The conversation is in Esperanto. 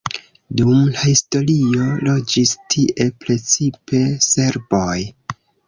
Dum la historio loĝis tie precipe serboj.